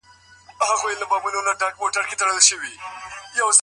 سوسياليستي نظام د فرد ملکيت غندي.